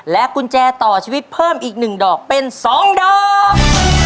กุญแจต่อชีวิตเพิ่มอีก๑ดอกเป็น๒ดอก